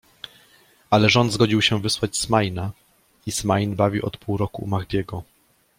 Ale rząd zgodził się wysłać Smaina i Smain bawi od pół roku u Mahdiego.